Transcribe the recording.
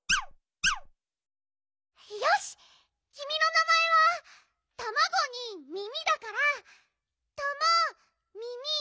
よしきみのなまえはたまごに耳だからタマミミ。